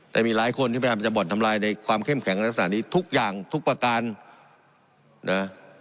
แต่มีหลายคนที่พยายามจะบ่อนทำลายในความเข้มแข็งในลักษณะนี้ทุกอย่างทุกประการนะ